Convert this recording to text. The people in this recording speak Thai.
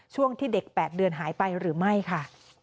ช่วงที่เด็ก๘เดือนหายไปหรือไม่ค่ะ